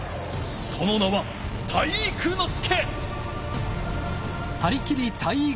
その名は体育ノ介！